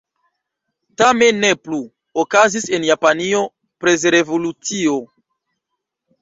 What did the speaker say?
Tamen ne plu: okazis en Japanio prezrevolucio.